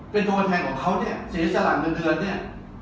เป็นตัวแทนของเขาเนี่ยเสียสละเงินเดือนเนี่ย